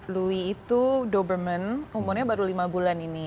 louis itu doberman umurnya baru lima bulan ini